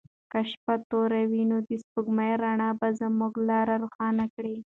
که شپه توره وي نو د سپوږمۍ رڼا به زموږ لاره روښانه کړي.